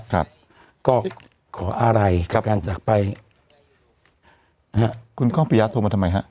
ครับก็ขออะไรกับการจากไปนะฮะคุณก้องปียะโทรมาทำไมฮะ